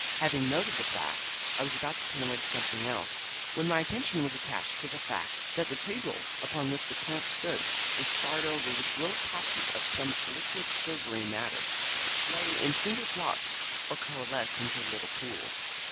Having noted the fact, I was about to turn away to something else, when my attention was attracted to the fact that the table upon which the clamp stood was starred over with little patches of some liquid silvery matter, which lay in single drops or coalesced into little pools.